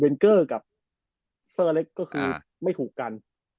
เป็นเกอร์กับเซอร์เล็กก็คือไม่ถูกกัน